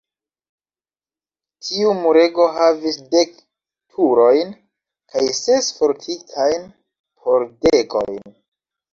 Tiu murego havis dek turojn kaj ses fortikajn pordegojn.